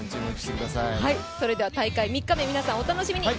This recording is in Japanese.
それでは大会３日目、皆さんお楽しみに。